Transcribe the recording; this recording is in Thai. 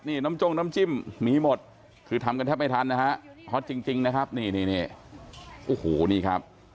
นี่น้ำจ้งน้ำจิ้มมีหมดคือทำกันแทบไม่ทันนะฮะฮอตจริงนะครับนี่นี่โอ้โหนี่ครับ